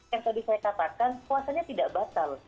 yang tadi saya katakan puasanya tidak batal